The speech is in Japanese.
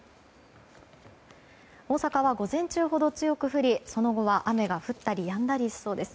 大阪は午前中ほど強く降りその後は、雨が降ったりやんだりしそうです。